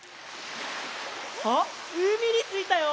あっうみについたよ！